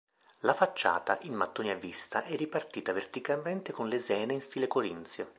La facciata, in mattoni a vista è ripartita verticalmente con lesene in stile corinzio.